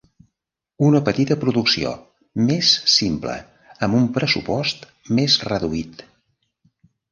Una petita producció: més simple, amb un pressupost més reduït.